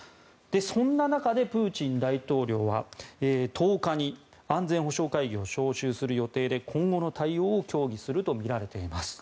そんな中で、プーチン大統領は１０日に安全保障会議を招集する予定で今後の対応を協議するとみられています。